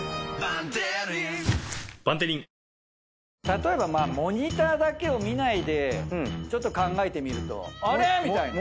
例えばモニターだけを見ないでちょっと考えてみるとあれっ⁉みたいな。